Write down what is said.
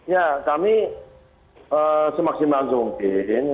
ya kami semaksimal mungkin